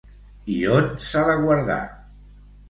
I on s'ha de guardar?